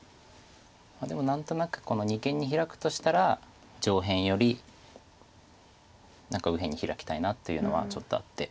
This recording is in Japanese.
でも何となくこの二間にヒラくとしたら上辺より何か右辺にヒラきたいなというのはちょっとあって。